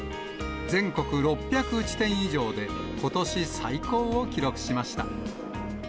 全国６００地点以上で、ことし最高を記録しました。